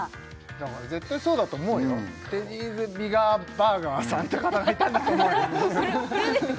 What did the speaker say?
だから絶対そうだと思うよテディーズビガーバーガーさんとかがいたんだと思うよ